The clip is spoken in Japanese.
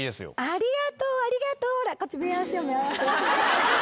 ありがとうありがとう。